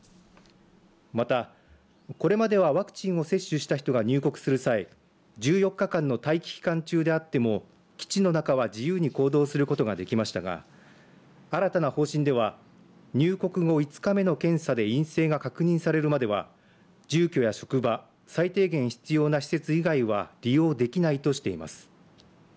また、これまではワクチンを接種した人が入国する際１４日間の待機期間中であっても基地の中は自由に行動することができましたが新たな方針では入国後５日目の検査で陰性が確認されるまでは住居や職場最低限必要な施設以外は利用できないとしています。